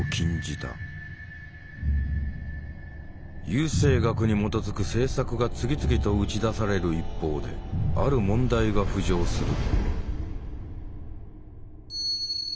優生学に基づく政策が次々と打ち出される一方である問題が浮上する。